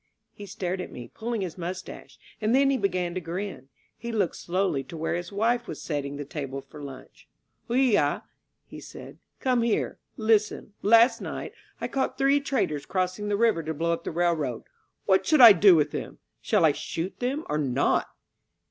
He stared at me, pulling his mustache. And then he began to grin. He looked slowly to where his wife was setting the table for lunch. Oigay*^ he said, ^^come here. Listen. Last night I caught three traitors crossing the river to blow up the railroad. What shall I do with them? Shall I shoot them or not?"